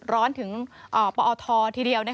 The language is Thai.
ร้อนถึงปอททีเดียว